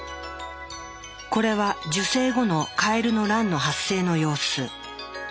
これは受精後のカエルの卵の発生の様子。